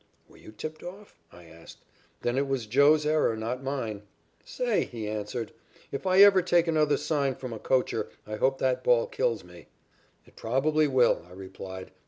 "Were you tipped off?" I asked. "Then it was 'Joe's' error, not mine." "Say," he answered, "if I ever take another sign from a coacher I hope the ball kills me." "It probably will," I replied.